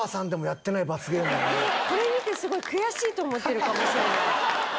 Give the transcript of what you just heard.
これ見てすごい悔しいと思ってるかもしれない。